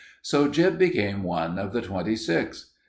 So Gyp became one of the twenty six.